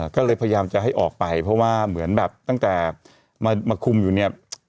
ก็เลยพยายามจะให้ออกไปเพราะว่าเหมือนแบบตั้งแต่มาคุมอยู่เนี่ย